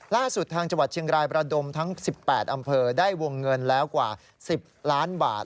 ล่าสุดทาง๗๐๐๐๐ประดมทั้ง๑๘อำเภอได้วงเงินแล้วกว่า๑๐๐๐๐๐๐๐บาท